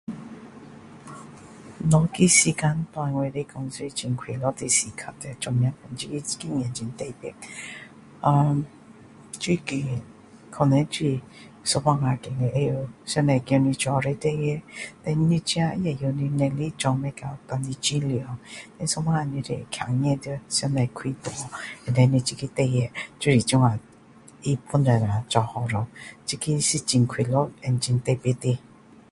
哪一个时间对我来说是很快乐的时间了做么这个经验很特别呃最近可能就是觉得上帝知道你做的事情 then 你自己也会知道你的能力做不到你尽量有时候你就是会看见到上帝开门 then 你这个事情就是这样他帮助一下做好了这个是很快乐和特别的